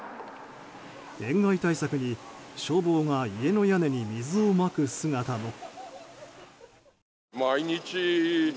塩害対策に消防が家の屋根に水をまく姿も。